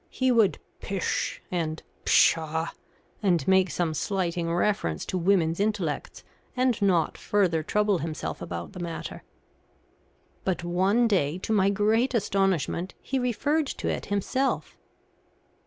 He would "Pish!" and "Pshaw!" and make some slighting reference to women's intellects, and not further trouble himself about the matter. But one day, to my great astonishment, he referred to it himself.